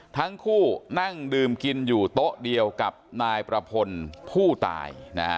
ทั้งคู่นั่งดื่มกินอยู่โต๊ะเดียวกับนายประพลผู้ตาย